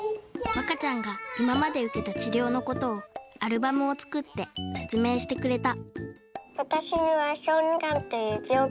わかちゃんが今まで受けた治療のことをアルバムを作って説明してくれた。